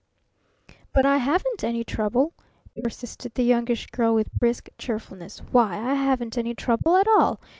"But I haven't any 'trouble,'" persisted the Youngish Girl with brisk cheerfulness. "Why, I haven't any trouble at all!